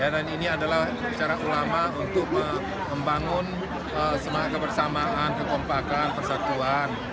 dan ini adalah secara ulama untuk membangun semangat kebersamaan kekompakan persatuan